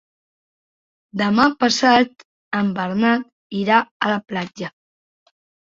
Demà passat en Bernat irà a la platja.